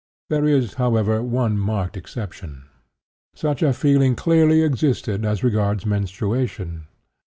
There is, however, one marked exception. Such a feeling clearly existed as regards menstruation.